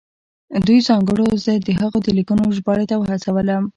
دغو ځانګړنو زه د هغه د لیکنو ژباړې ته وهڅولم.